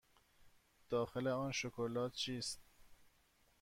داخل آن شکلات چیست؟